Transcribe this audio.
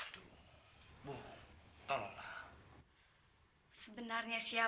ketika saya sedang bekerja di sma